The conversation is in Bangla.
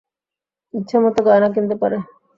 ইচ্ছামত গয়না কিনতে পারে।